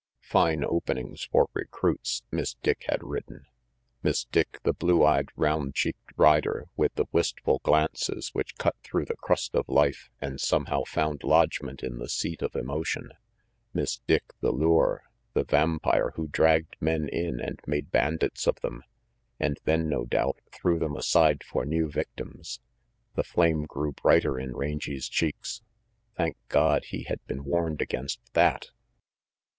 "Fine opening for recruits," Miss Dick had written. Miss Dick, the blue eyed round cheeked rider, with the wistful glances which cut through the crust of life and somehow found lodgment in the seat of emotion; Miss Dick the lure, the vampire who dragged men in and made bandits of them, and then, no doubt, threw them aside for new victims! The flame grew brighter in Range's cheeks. Thank God he had been warned against that!